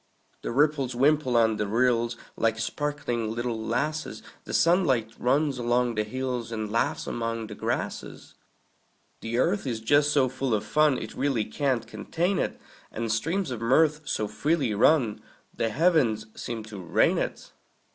The ripples wimple on the rills, Like sparkling little lasses; The sunlight runs along the hills, And laughs among the grasses. The earth is just so full of fun It really can't contain it; And streams of mirth so freely run The heavens seem to rain it.